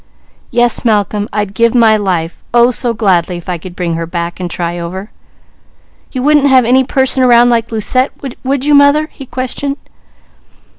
"Yes Malcolm, I'd give my life, oh so gladly if I could bring her back and try over " "You wouldn't have any person like Lucette around, would you mother?" he questioned.